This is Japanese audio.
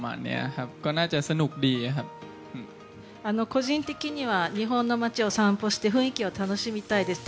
個人的には日本の街を散歩して雰囲気を楽しみたいです。